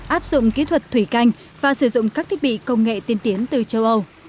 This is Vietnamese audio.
áp dụng kỹ thuật thủy canh và sử dụng các thiết bị công nghệ tiên tiến từ châu âu